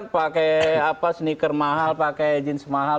pakai sneaker mahal pakai jeans mahal